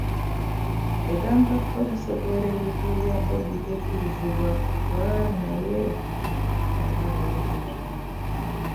Egamba poliisi okuwera ebivvulu bya Bobi tekikkirizibwa wadde kuba naye munnayuganda ng'abayimbi abalala.